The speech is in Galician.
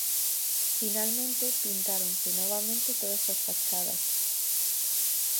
Finalmente, pintáronse novamente todas as fachadas.